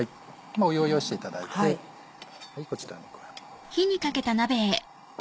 湯を用意していただいてこちらに。